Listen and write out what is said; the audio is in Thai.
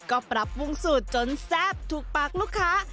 ก็ปรับปรุงสูตรจนแซ่บถูกปากลูกค้า